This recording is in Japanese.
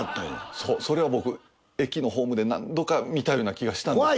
そうそれ僕駅のホームで何度か見たような気がしたんです。